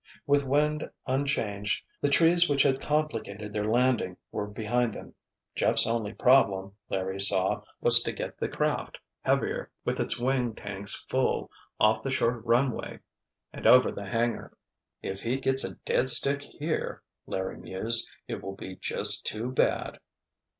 With wind unchanged the trees which had complicated their landing were behind them. Jeff's only problem, Larry saw, was to get the craft, heavier with its wing tanks full, off the short runway and over the hangar. "If he gets a 'dead stick' here," Larry mused, "it will be just too bad!"